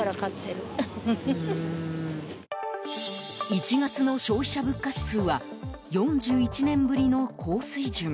１月の消費者物価指数は４１年ぶりの高水準。